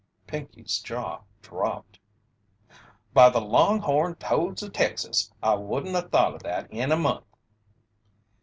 Pinkey's jaw dropped. "By the long horn toads of Texas! I wouldn't 'a' thought of that in a month!"